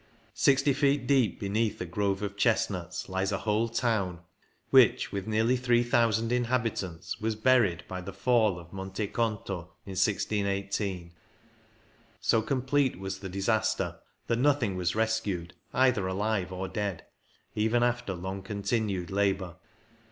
Sixty feet deep beneath a grove of chestnuts lies a whole town, which, with nearly three thousand inhabitants, was buried by the fall of Monte Conto in 98 CYCLING IN THE ALPS 1618. So complete was the disaster that nothing was rescued, either alive or dead, even after long continued labour.